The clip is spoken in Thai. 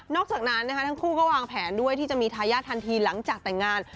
อกจากนั้นทั้งคู่ก็วางแผนด้วยที่จะมีทายาททันทีหลังจากแต่งงาน